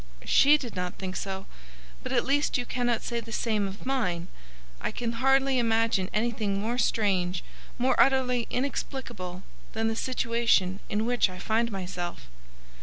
"She did not think so. But at least you cannot say the same of mine. I can hardly imagine anything more strange, more utterly inexplicable, than the situation in which I find myself."